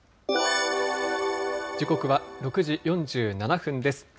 時刻は６時４７分です。